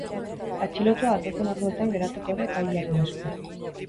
Atxilotua datozen orduetan geratuko da epailearen esku.